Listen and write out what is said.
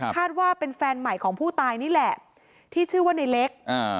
ว่าเป็นแฟนใหม่ของผู้ตายนี่แหละที่ชื่อว่าในเล็ก